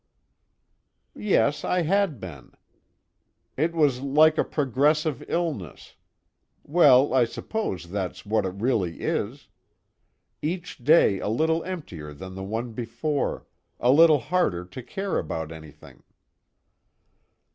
"Yes, I had been. It was like a progressive illness well, I suppose that's what it really is. Each day a little emptier than the one before, a little harder to care about anything."